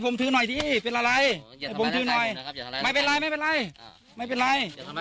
ผมมาทำหน้าที่สื่อครับอย่ามาทำร้ายร่างกายผม